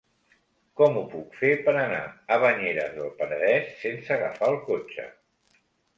Com ho puc fer per anar a Banyeres del Penedès sense agafar el cotxe?